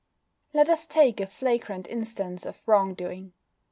Let us take a flagrant instance of wrong doing.